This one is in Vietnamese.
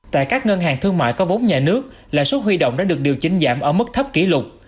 tại các ngân hàng thương mại có vốn nhà nước lãi suất huy động đã được điều chỉnh giảm ở mức thấp kỷ lục